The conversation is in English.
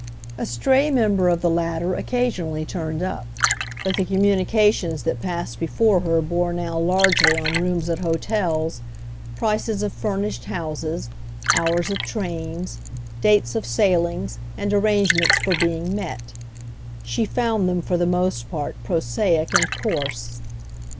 A stray member of the latter occasionally turned up, but the communications that passed before her bore now largely on rooms at hotels, prices of furnished houses, hours of trains, dates of sailings and arrangements for being "met"; she found them for the most part prosaic and coarse.